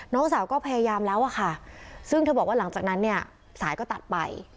น้องสาวก็พยายามแล้วอะค่ะซึ่งเธอบอกว่าหลังจากนั้นเนี่ยสายก็ตัดไป